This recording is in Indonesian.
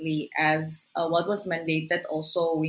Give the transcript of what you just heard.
sebagai apa yang dimandatkan